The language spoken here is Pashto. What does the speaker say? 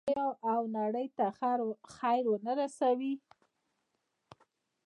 آیا او نړۍ ته خیر ورنه رسوي؟